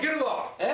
え？